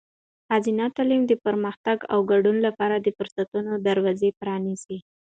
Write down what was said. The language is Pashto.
ښځینه تعلیم د پرمختګ او ګډون لپاره د فرصتونو دروازې پرانیزي.